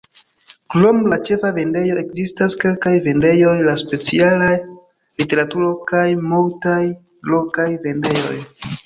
Krom la ĉefa vendejo, ekzistas kelkaj vendejoj de speciala literaturo kaj multaj lokaj vendejoj.